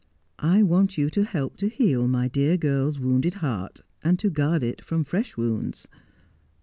I want you to help to heal my dear girl's wounded heart, and to guard it from fresh wounds.